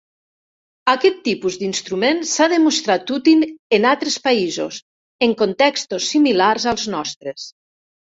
Aquest tipus d'instrument s'ha demostrat útil en altres països, en contextos similars als nostres.